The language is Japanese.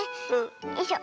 よいしょ。